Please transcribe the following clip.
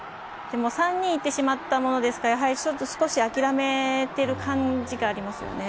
３人行ってしまったものですから少し諦めている感じがあります。